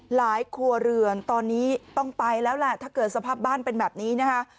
ครัวเรือนตอนนี้ต้องไปแล้วแหละถ้าเกิดสภาพบ้านเป็นแบบนี้นะคะ